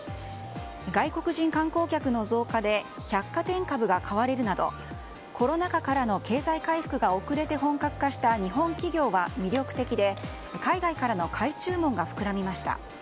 外国人観光客の増加で百貨店株が買われるなどコロナ禍からの経済回復が遅れて本格化した日本企業は魅力的で海外からの買い注文が膨らみました。